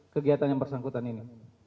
kegiatan yang bersangkutan ini